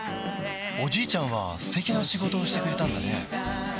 おじいちゃんは素敵な仕事をしてくれたんだね